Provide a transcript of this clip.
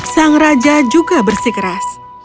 sang raja juga bersikeras